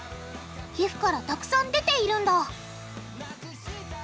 皮膚からたくさん出ているんだ